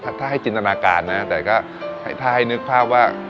ถ้าให้จินตนาการนะแต่ก็ถ้าให้นึกภาพว่า